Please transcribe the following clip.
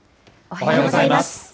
おはようございます。